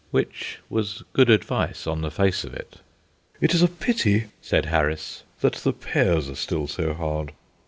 Which was good advice, on the face of it. "It is a pity," said Harris, "that the pears are still so hard."